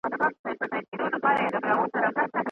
صدقه کوونکی د الله خوښ دی.